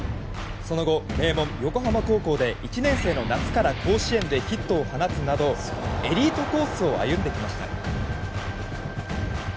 その後、名門・横浜高校で１年生の夏から甲子園でヒットを放つなどエリートコースを歩んできました。